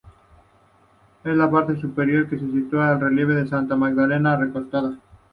En la parte superior se sitúa el relieve de Santa Magdalena recostada.